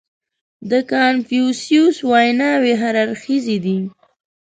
• د کنفوسیوس ویناوې هر اړخیزې دي.